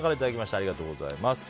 ありがとうございます。